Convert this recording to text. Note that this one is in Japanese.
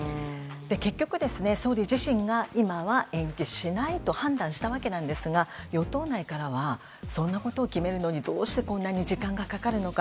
結局、総理自身が今は延期しないと判断したわけなんですが与党内からはそんなことを決めるのにどうしてこんなに時間がかかるのか。